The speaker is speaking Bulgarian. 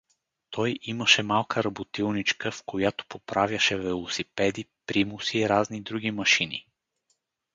Той имаше малка работилничка, в която поправяше велосипеди, примуси, разни други машини.